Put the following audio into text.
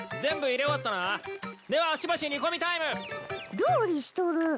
料理しとる。